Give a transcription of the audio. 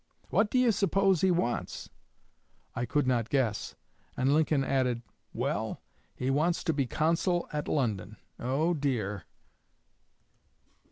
What do you suppose he wants?" I could not guess, and Lincoln added, "Well, he wants to be consul at London. Oh, dear!"